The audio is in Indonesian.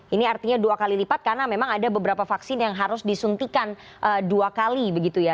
ini artinya dua kali lipat karena memang ada beberapa vaksin yang harus disuntikan dua kali begitu ya